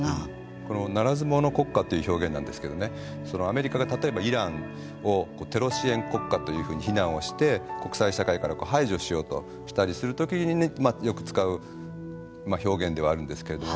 このならず者国家という表現なんですけどねアメリカが例えばイランをテロ支援国家というふうに非難をして国際社会から排除しようとしたりする時によく使う表現ではあるんですけれども。